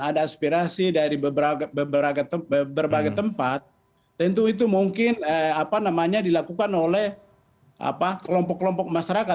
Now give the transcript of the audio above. ada aspirasi dari berbagai tempat tentu itu mungkin dilakukan oleh kelompok kelompok masyarakat